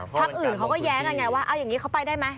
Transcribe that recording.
พักอื่นเขาก็แย้งกันไงว่าเอาอย่างนี้เขาไปได้ไหม